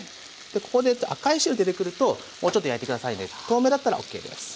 でここで赤い汁出てくるともうちょっと焼いて下さいで透明だったらＯＫです。